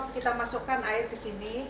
kita masukkan air ke sini